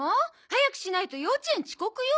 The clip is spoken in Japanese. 早くしないと幼稚園遅刻よ。